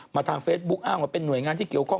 ทางเฟซบุ๊คอ้างว่าเป็นหน่วยงานที่เกี่ยวข้อง